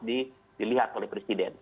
dilihat oleh presiden